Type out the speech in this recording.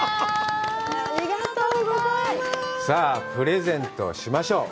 さあ、プレゼントしましょう！